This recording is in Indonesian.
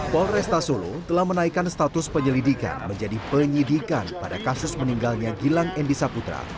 polresta solo telah menaikkan status penyelidikan menjadi penyidikan pada kasus meninggalnya gilang endi saputra